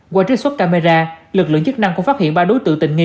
qua trích xuất camera lực lượng chức năng cũng phát hiện ba đối tượng tình nghi